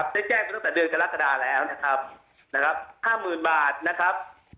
แจ้งไปตั้งแต่เดือนกรกฎาแล้วนะครับ๕๐๐๐บาทนะครับ